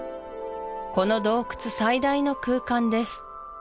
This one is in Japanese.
この洞窟最大の空間です